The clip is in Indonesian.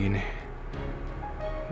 baik bahan kesini